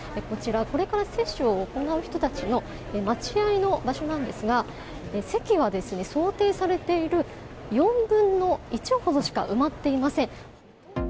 こちら、これから接種を行う人たちの待合場所なんですが席は想定されている４分の１ほどしか埋まっていません。